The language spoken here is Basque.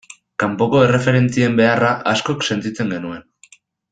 Kanpoko erreferentzien beharra askok sentitzen genuen.